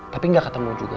tapi gak ketemu juga